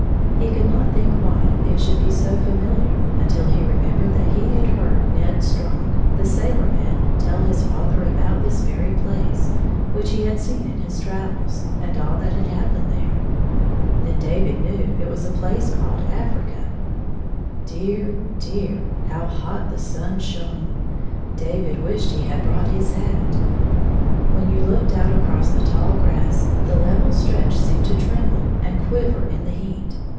He could not think why it should be so familiar until he remem bered that he had heard Ned Strong, the sailor man, tell his father about this very place, which he had seen in his travels, and all that had hap pened there. Then David knew it was a place called Afi*ica. Dear, dear; how hot the sun shone! David wished he had brought his hat. When you looked 4 9 out across the tall grass, the level stretch seemed to tremble, and quiver in the heat.